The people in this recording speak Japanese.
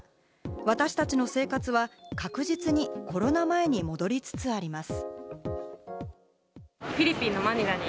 私達の生活は確実にコロナ前に戻りつつあります。